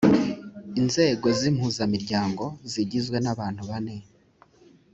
inzego z impuzamiryango zigizwe nabantu bane